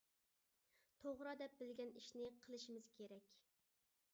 توغرا دەپ بىلگەن ئىشنى قىلىشىمىز كېرەك.